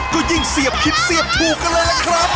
ก็ยิ่งเสียบผิดเสียบถูกกันเลยล่ะครับ